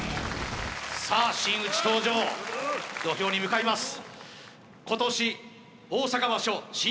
さあ真打ち登場土俵に向かいます